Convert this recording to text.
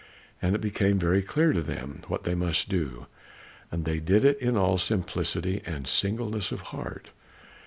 And it became very clear to them what they must do. And they did it in all simplicity and singleness of heart.